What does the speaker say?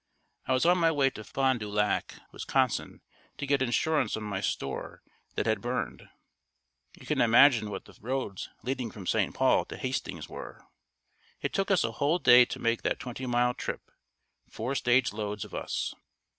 I was on my way to Fond du Lac, Wis. to get insurance on my store that had burned. You can imagine what the roads leading from St. Paul to Hastings were. It took us a whole day to make that twenty mile trip, four stage loads of us.